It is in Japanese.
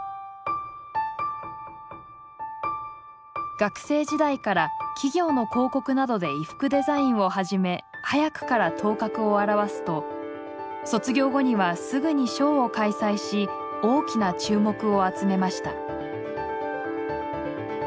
学生時代から企業の広告などで衣服デザインを始め早くから頭角を現すと卒業後にはすぐにショーを開催し大きな注目を集めました。